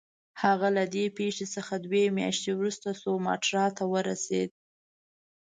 هغه له دې پیښې څخه دوې میاشتې وروسته سوماټرا ته ورسېد.